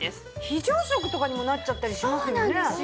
非常食とかにもなっちゃったりしますよね。